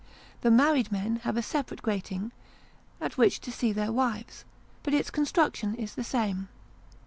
The married men have a separate grating, at which to see their wives, but its construction is the same.